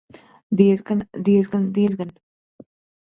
Diezgan, diezgan, diezgan!